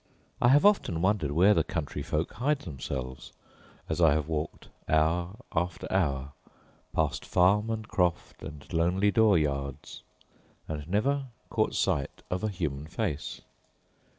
I have often wondered where the countryfolk hide themselves, as I have walked hour after hour, past farm and croft and lonely door yards, and never caught sight of a human face.